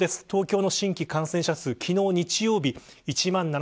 東京の新規感染者数昨日、日曜日